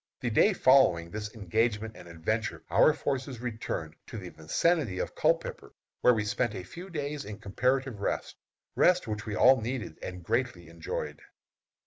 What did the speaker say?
The day following this engagement and adventure our forces returned to the vicinity of Culpepper, where we spent a few days in comparative rest rest which we all needed and greatly enjoyed.